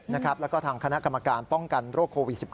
แล้วก็ทางคณะกรรมการป้องกันโรคโควิด๑๙